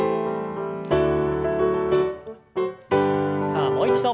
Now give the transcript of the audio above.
さあもう一度。